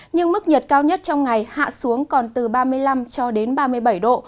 nhưng mức nhiệt cao nhất trong ngày hạ xuống còn từ ba mươi năm cho đến ba mươi bảy độ